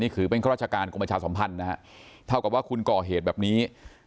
ถือเป็นข้าราชการกรมประชาสัมพันธ์นะฮะเท่ากับว่าคุณก่อเหตุแบบนี้